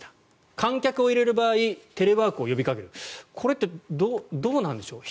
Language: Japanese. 観客を入れる場合テレワークを呼びかけるこれってどうなんでしょう。